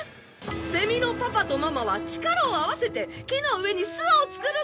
セミのパパとママは力を合わせて木の上に巣を作るざます！